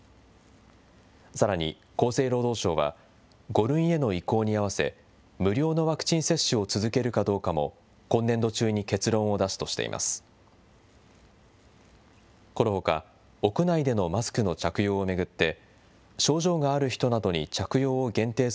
さらに、厚生労働省は５類への移行に合わせ、無料のワクチン接種を続けるかどうかも今年度中に結論を出すとしています。